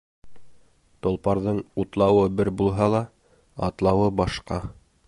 Толпарҙың утлауы бер булһа ла, атлауы башҡа.